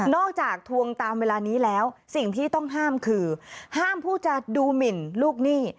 จากทวงตามเวลานี้แล้วสิ่งที่ต้องห้ามคือห้ามผู้จะดูหมินลูกหนี้